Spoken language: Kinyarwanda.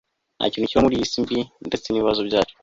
nta kintu gihoraho muri iyi si mbi, ndetse n'ibibazo byacu